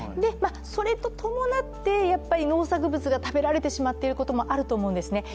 それに伴って、農作物が食べられてしまっているところがあると思うんですね。